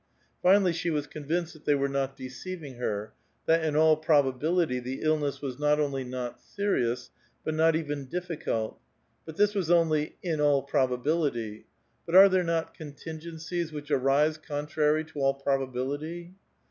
Finally she was convinced that they were not deceiving her; that, in all probability, the illness was not onlv not serious, but not even difficult ; but this was only ' in all probability'' ; but are there not contingencies which arise contrary to all probabilit}'